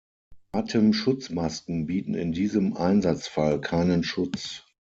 Atemschutzmasken bieten in diesem Einsatzfall keinen Schutz.